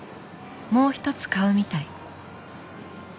もう一つ買うみたい。